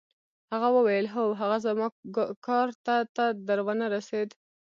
هغه وویل: هو، هغه زما کارډ تا ته در ونه رسید؟